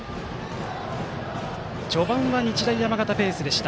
序盤は日大山形ペースでした。